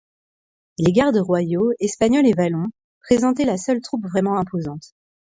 Les gardes royaux, espagnols et wallons, présentaient la seule troupe vraiment imposante.